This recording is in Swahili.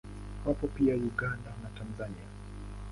Wako pia Uganda na Tanzania.